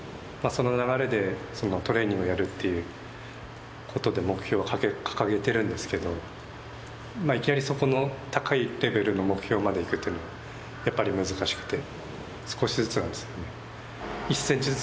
その流れでトレーニングをやるということで目標を掲げているんですけどいきなりそこの高いレベルの目標まで行くというのはやっぱり難しくて少しずつなんですよね。